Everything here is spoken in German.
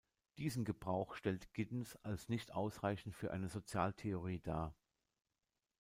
Diesen Gebrauch stellt Giddens als nicht ausreichend für eine Sozialtheorie dar.